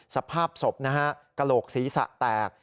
สภาพศพนะฮะกระโหลกศีรษะแตก